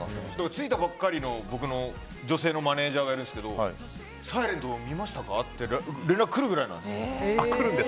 ついたばかりの僕の女性のマネジャーがいるんですけど「ｓｉｌｅｎｔ」見ましたかって連絡来るくらいなんです。